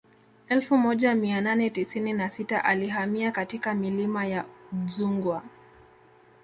Elfu moja mia nane tisini na sita alihamia katika milima ya Udzungwa